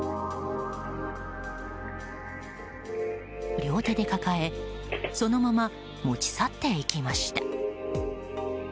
両手で抱えそのまま持ち去っていきました。